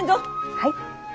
はい。